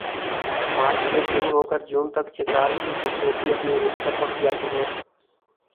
مارچ سے شروع ہوکر جون تک چترال کی خوبصورتی اپنے عروج پر پہنچ جاتی ہے